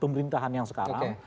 pemerintahan yang sekarang